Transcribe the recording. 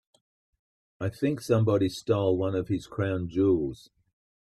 I think somebody stole one of his crown jewels.